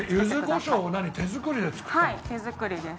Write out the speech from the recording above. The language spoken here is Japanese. はい手作りです。